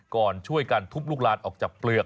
ก่อนช่วยกันทุบลูกลานออกจากเปลือก